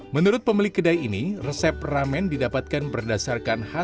menurut pemilik kedai ini resep ramen didapatkan berdasarkan hasil